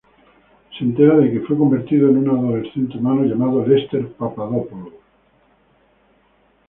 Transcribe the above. Se entera de que fue convertido en un adolescente humano llamado Lester Papadopoulos.